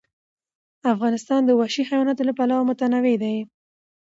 افغانستان د وحشي حیواناتو له پلوه متنوع دی.